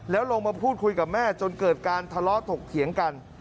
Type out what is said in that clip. แล้วลงมาพูดคุยกับแม่จนเกิดการทะเลาะถกเถียงกัน